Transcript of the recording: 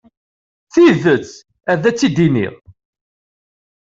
Tidet, ad tt-id-iniɣ.